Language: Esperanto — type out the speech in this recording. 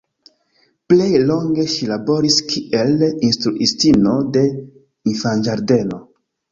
Plej longe ŝi laboris kiel instruistino de infanĝardeno.